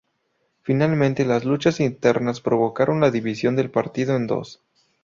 Finalmente, las luchas internas provocaron la división del partido en dos.